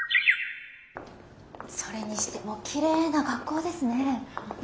それにしてもきれいな学校ですね。